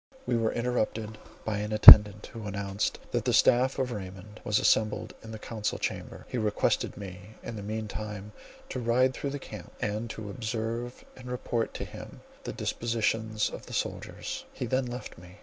We were interrupted by an attendant, who announced, that the staff of Raymond was assembled in the council chamber. He requested me in the meantime to ride through the camp, and to observe and report to him the dispositions of the soldiers; he then left me.